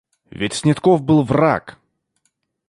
Ведь Снетков был враг.